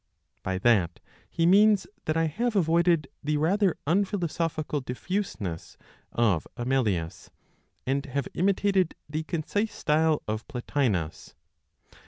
By that he means that I have avoided the rather unphilosophical diffuseness of Amelius, and have imitated the (concise) style of Plotinos.